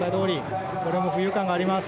これも浮遊感があります。